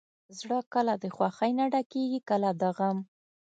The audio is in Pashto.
زړه کله د خوښۍ نه ډکېږي، کله د غم.